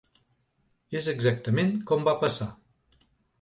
És exactament com va passar.